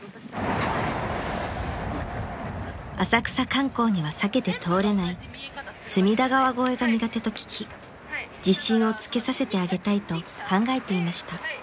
［浅草観光には避けて通れない隅田川越えが苦手と聞き自信をつけさせてあげたいと考えていました］